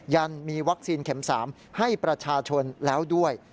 ันมีวัคซีนเข็ม๓ให้ประชาชนแล้วด้วย